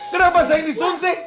kenapa saya disuntik